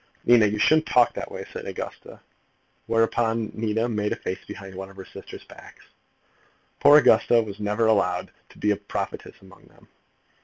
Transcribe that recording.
"Nina, you shouldn't talk in that way," said Augusta. Whereupon Nina made a face behind one of her sisters' backs. Poor Augusta was never allowed to be a prophetess among them.